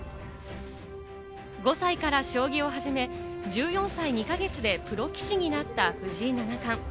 ５歳から将棋を始め、１４歳２か月でプロ棋士になった藤井七冠。